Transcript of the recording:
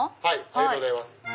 ありがとうございます。